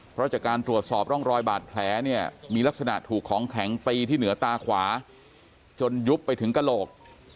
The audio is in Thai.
เพราะจากการตรวจสอบร่องรอยบาดแผลเนี่ยมีลักษณะถูกของแข็งตีที่เหนือตาขวาจนยุบไปถึงกระโหลก